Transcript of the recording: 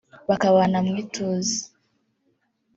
bakabana mu ituze